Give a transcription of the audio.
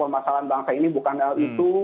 permasalahan bangsa ini bukan hal itu